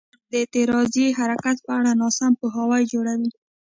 دا کار د اعتراضي حرکت په اړه ناسم پوهاوی جوړوي.